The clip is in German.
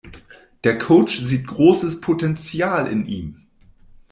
Der Coach sieht großes Potenzial in ihm.